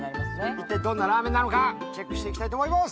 一体どんなラーメンなのかチェックしていきたいと思います